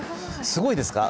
すごいですか？